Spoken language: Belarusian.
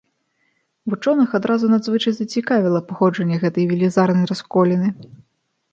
Вучоных адразу надзвычай зацікавіла паходжанне гэтай велізарнай расколіны.